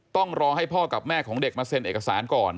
ต้องรอให้พ่อกับแม่ของเด็กมาเซ็นเอกสารก่อน